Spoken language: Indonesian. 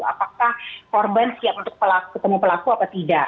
apakah korban siap untuk ketemu pelaku atau tidak